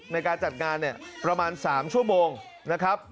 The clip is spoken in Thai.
ในการจัดงานเนี่ยประมาณ๓ชั่วโมงนะครับ